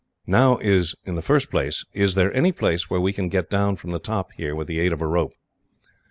"Now, in the first place, is there any place where we can get down from the top here, with the aid of a rope?"